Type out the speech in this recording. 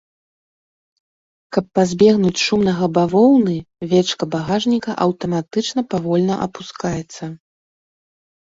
Каб пазбегнуць шумнага бавоўны, вечка багажніка аўтаматычна павольна апускаецца.